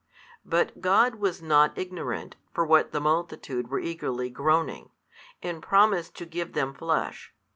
But God was not ignorant, for what the multitude were eagerly groaning, and promised to give them flesh.